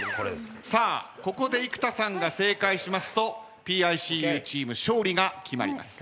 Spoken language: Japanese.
ここで生田さんが正解しますとＰＩＣＵチーム勝利が決まります。